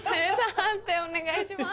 判定お願いします。